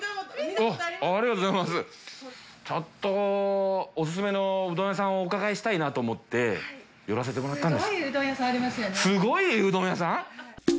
ちょっとおすすめのうどん屋さんをお伺いしたいなと思って寄らせてもらったんです。